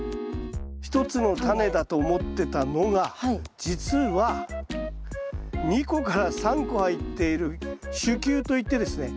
１つのタネだと思ってたのが実は２個３個入っている種球といってですね